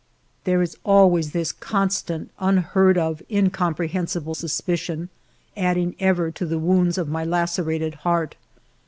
There is always this constant, unheard of, in comprehensible suspicion, adding ever to the wounds of my lacerated heart.